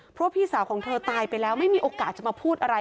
เพราะพี่สาวของเธอตายไปแล้วไม่มีโอกาสจะมาพูดอะไร